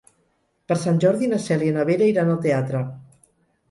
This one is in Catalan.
Per Sant Jordi na Cèlia i na Vera iran al teatre.